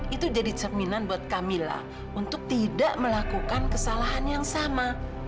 itu jadi cerminan buat kami lah untuk tidak melakukan kesalahan yang sama